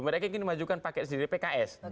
mereka ingin memajukan paket sendiri pks